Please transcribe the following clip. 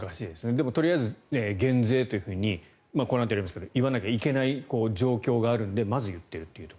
でもとりあえず減税というふうにこのあとやりますけど言わなきゃいけない状況があるのでまず言っているという。